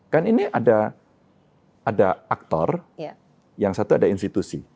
kan ini ada aktor yang satu ada institusi